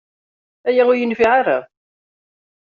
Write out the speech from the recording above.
Aya ur iyi-yenfiɛ ara.